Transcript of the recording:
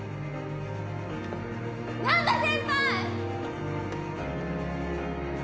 難破先輩！